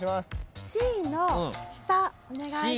Ｃの下お願いします。